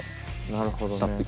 なるほどね。